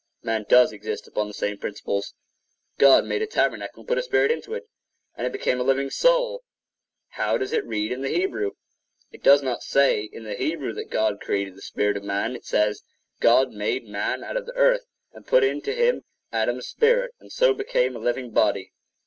Man does exist upon the same principles. God made a tabernacle and put a spirit into it, and it became a living soul. (Refers to the old Bible.) How does it read in the Hebrew? It does not say in the Hebrew that God created the spirit of man. It says "God made man out of the earth and put into him Adam's spirit, and so became a living body."